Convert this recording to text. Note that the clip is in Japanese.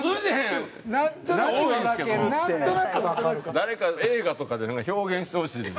誰か映画とかで表現してほしいです